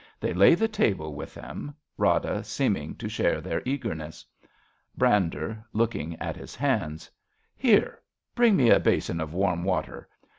They lay the table with them, Rada seemiiig to share their eagerness.) Brander {looking at his hands). Here ! Bring me a basin of warm water.